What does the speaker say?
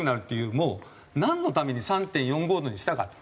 もうなんのために３．４５度にしたかと。